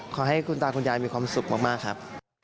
ขอให้คุณตาคุณยายมีความสุขมากครับ